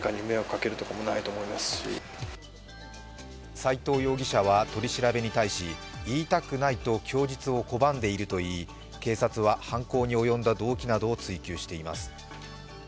斉藤容疑者は取り調べに対し言いたくないと供述を拒んでいるといい警察は犯行に及んだ動機などを追及しています。